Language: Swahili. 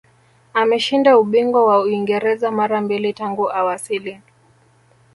ameshinda ubingwa wa uingereza mara mbili tangu awasili